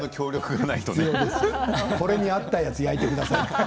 これに合ったものを焼いてくださいと。